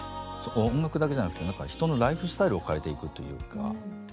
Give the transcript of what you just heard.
音楽だけじゃなくて人のライフスタイルを変えていくというか。